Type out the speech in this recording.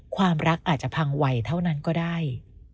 ความรักอาจจะพังไวเท่านั้นก็ได้